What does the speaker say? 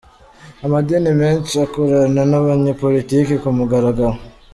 Amadini menshi akorana n’abanyepolitiki ku mugaragaro.